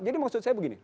jadi maksud saya begini